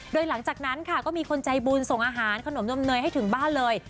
โดยหลังจากนั้นค่ะก็มีคนใจบุญส่งอาหารขนมนมเนยให้ถึงบ้านเลย